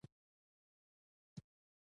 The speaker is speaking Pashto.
د دولینه ولسوالۍ واورین ده